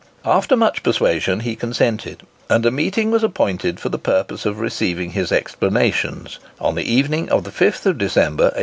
After much persuasion he consented, and a meeting was appointed for the purpose of receiving his explanations, on the evening of the 5th December, 1815.